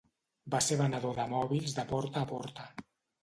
Va ser venedor de mòbils de porta a porta.